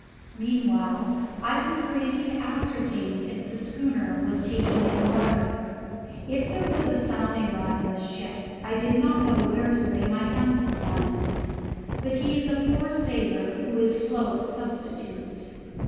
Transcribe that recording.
Meanwhile I was crazy to ascertain if the schooner was taking in water. If there was a sounding rod in the ship I did not know where to lay my hands upon it. But he is a poor sailor who is slow at substitutes.